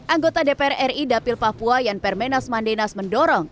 anggota dpr ri dapil papua yanper menas mandenas mendorong